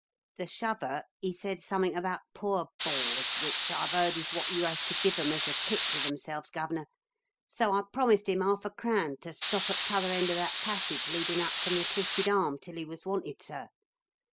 The shuvver, he said sommink about 'poor boars' which I've heard is wot you has to give 'em as a tip to themselves, Gov'nor so I promised him 'arf a crown to stop at 'tother end of that passage leadin' up from The Twisted Arm till he was wanted, sir.